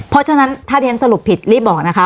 เพราะฉะนั้นถ้าที่ฉันสรุปผิดรีบบอกนะคะ